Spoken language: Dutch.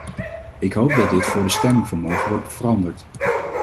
Ik hoop dat dit voor de stemming van morgen wordt veranderd.